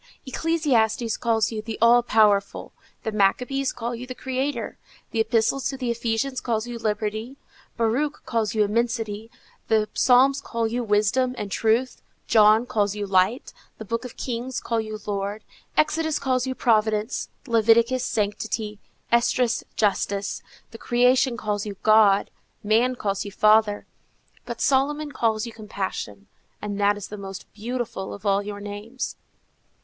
"Ecclesiastes calls you the All powerful; the Maccabees call you the Creator; the Epistle to the Ephesians calls you liberty; Baruch calls you Immensity; the Psalms call you Wisdom and Truth; John calls you Light; the Books of Kings call you Lord; Exodus calls you Providence; Leviticus, Sanctity; Esdras, Justice; the creation calls you God; man calls you Father; but Solomon calls you Compassion, and that is the most beautiful of all your names."